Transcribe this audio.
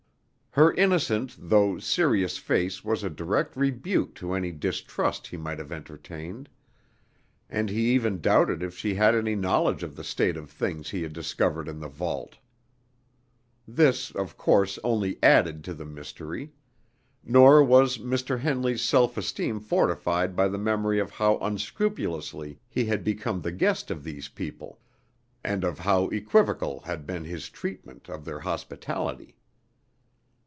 Her innocent though serious face was a direct rebuke to any distrust he might have entertained; and he even doubted if she had any knowledge of the state of things he had discovered in the vault. This, of course, only added to the mystery; nor was Mr. Henley's self esteem fortified by the memory of how unscrupulously he had become the guest of these people, and of how equivocal had been his treatment of their hospitality.